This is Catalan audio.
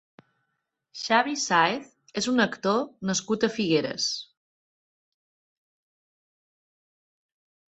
Xavi Sáez és un actor nascut a Figueres.